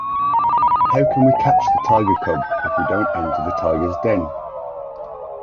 How can we catch the tiger cub if we don't enter the tiger's den?